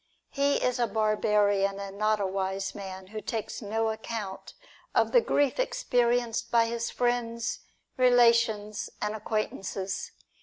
He is a barbarian, and not a wise man, who takes no account of the grief experienced by his friends, relations, and acquaintances.